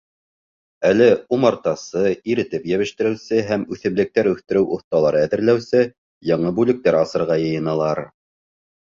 Әле умартасы, иретеп йәбештереүсе һәм үҫемлектәр үҫтереү оҫталары әҙерләүсе яңы бүлектәр асырға йыйыналар.